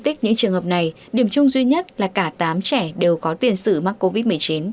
tích những trường hợp này điểm chung duy nhất là cả tám trẻ đều có tiền sử mắc covid một mươi chín